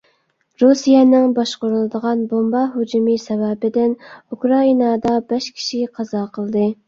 رۇسىيەنىڭ باشقۇرۇلىدىغان بومبا ھۇجۇمى سەۋەبىدىن ئۇكرائىنادا بەش كىشى قازا قىلدى.